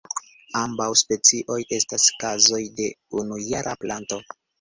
Ambaŭ specioj estas kazoj de unujara planto.